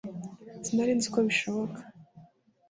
sinari nzi ko bishoboka